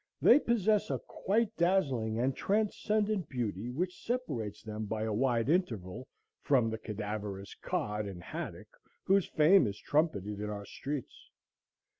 They possess a quite dazzling and transcendent beauty which separates them by a wide interval from the cadaverous cod and haddock whose fame is trumpeted in our streets.